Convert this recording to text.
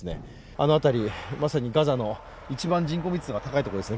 あの辺り、まさにガザの一番人口密度が高いところです。